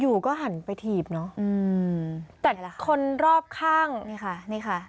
อยู่ก็หันไปถีบเนอะอืมแต่คนรอบข้างนี่ค่ะ